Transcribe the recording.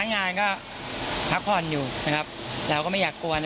พนักงานก็พับผ่อนอยู่นะครับแล้วก็ไม่อยากกวน